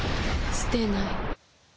すてない。